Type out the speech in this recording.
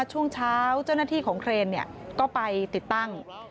ช่วงเช้าเจ้าหน้าที่ของเครนก็ไปติดตั้ง